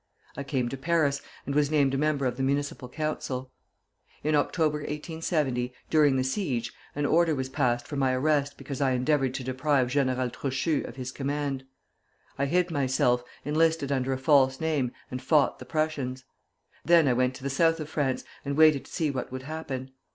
I came to Paris, and was named a member of the Municipal Council. In October, 1870, during the siege, an order was passed for my arrest because I endeavored to deprive General Trochu of his command. I hid myself, enlisted under a false name, and fought the Prussians. Then I went to the South of France, and waited to see what would happen.